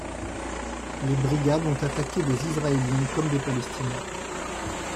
Les Brigades ont attaqué des Israéliens comme des Palestiniens.